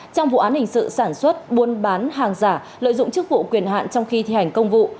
trong vụ án hình sự sản xuất buôn bán hàng giả lợi dụng chức vụ quyền hạn trong khi thi hành công vụ